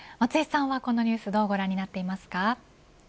このニュースどうご覧になっていますか。